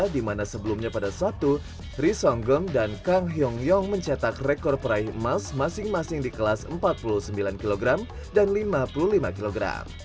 di mana sebelumnya pada sabtu tri songgong dan kang hyung yong mencetak rekor peraih emas masing masing di kelas empat puluh sembilan kg dan lima puluh lima kg